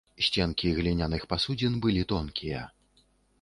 Сценкі гліняных пасудзін былі тонкія.